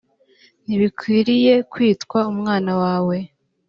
ntibinkwiriye kwitwa umwana wawe